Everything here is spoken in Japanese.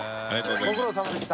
ご苦労さまでした。